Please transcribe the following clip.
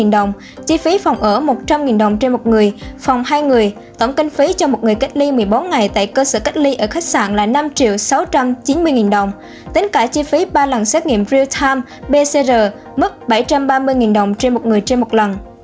đồng chi phí phòng ở một trăm linh đồng trên một người phòng hai người tổng kinh phí cho một người cách ly một mươi bốn ngày tại cơ sở cách ly ở khách sạn là năm sáu trăm chín mươi đồng tính cả chi phí ba lần xét nghiệm real time pcr mức bảy trăm ba mươi đồng trên một người trên một lần